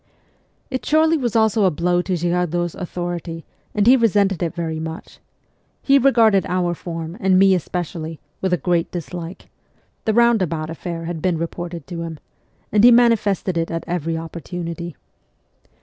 It surely was also a blow to Girardot's authority, and he resented it very much. He regarded our form, and me especially, with great dislike (the roundabout affair had been reported to him), and he manifested it at every opportunity.